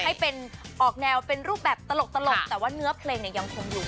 ให้เป็นออกแนวเป็นรูปแบบตลกแต่ว่าเนื้อเพลงเนี่ยยังคงอยู่